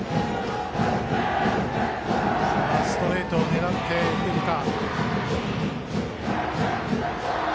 ストレートを狙って打てるか。